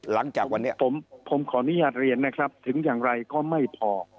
หลังจากวันนี้ผมขออนุญาตเรียนนะครับถึงอย่างไรก็ไม่พอ